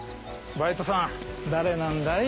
バイトさん誰なんだい？